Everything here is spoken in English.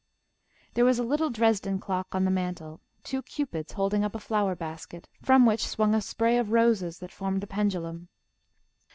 There was a little Dresden clock on the mantel; two cupids holding up a flower basket, from which swung a spray of roses that formed the pendulum.